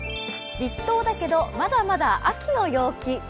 立冬だけどまだまだ秋の陽気。